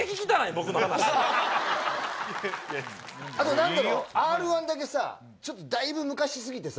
あと何だろう『Ｒ−１』だけさだいぶ昔過ぎてさ。